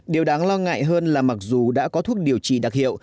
điều đáng lo ngại hơn là mặc dù đã có thuốc điều trị đặc hiệu